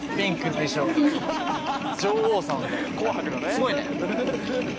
すごいね。